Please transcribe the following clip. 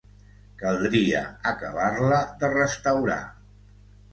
Caldria acabar-la de restaurar.